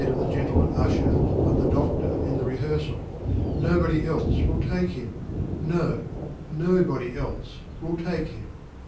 of the G£n tlernan Ufher and the Doftor in the Rehearfal ) No bodyelfe will take him ;. No, No body elfe will take him.